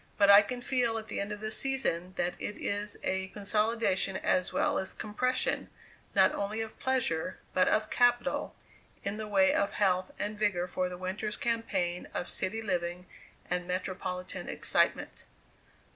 But I can feel at the end of the season that it is a consolidation as well as compression, not only of pleasure, but of capital, in the way of health and vigor for the winter's campaign of city living and metropolitan excitement.